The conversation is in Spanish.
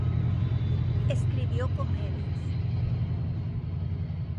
Escribió comedias.